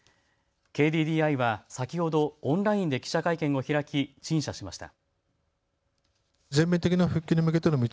ＫＤＤＩは先ほどオンラインで記者会見を開き陳謝しました。